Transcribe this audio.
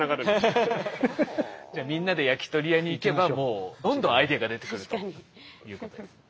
じゃあみんなで焼き鳥屋に行けばもうどんどんアイデアが出てくるということですね。